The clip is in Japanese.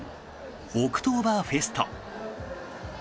オクトーバーフェスト。